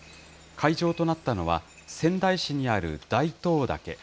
会場となったのは、仙台市にある大東岳。